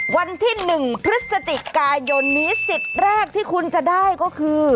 วันที่๑พฤศจิกายนนี้สิทธิ์แรกที่คุณจะได้ก็คือ